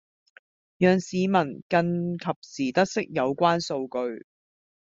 讓市民更及時得悉有關數據